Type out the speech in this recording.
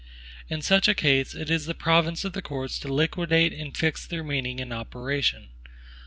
In such a case, it is the province of the courts to liquidate and fix their meaning and operation.